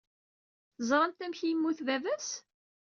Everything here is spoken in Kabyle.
Teẓramt amek ay yemmut baba-s?